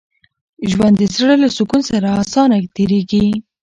ژوند د زړه له سکون سره اسانه تېرېږي.